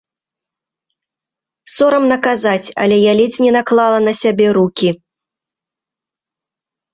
Сорамна казаць, але я ледзь не наклала на сябе рукі.